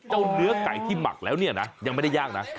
เนื้อไก่ที่หมักแล้วเนี่ยนะยังไม่ได้ย่างนะ